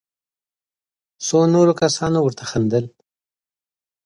څو نورو کسانو ورته خندل.